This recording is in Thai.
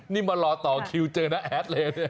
นี่มารอต่อคิวเจอน้าแอดเลยเนี่ย